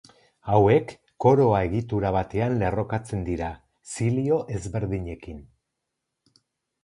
Hauek koroa egitura batean lerrokatzen dira zilio ezberdinekin.